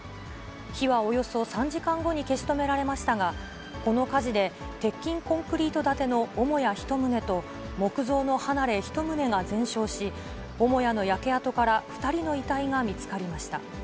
火はおよそ３時間後に消し止められましたが、この火事で、鉄筋コンクリート建ての母屋１棟と木造の離れ１棟が全焼し、母屋の焼け跡から２人の遺体が見つかりました。